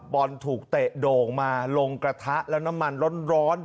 บอลถูกเตะโด่งมาลงกระทะแล้วน้ำมันร้อน